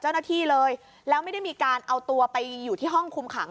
เจ้าหน้าที่เลยแล้วไม่ได้มีการเอาตัวไปอยู่ที่ห้องคุมขัง